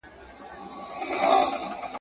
چي موږ ډېر یو تر شمېره تر حسابونو.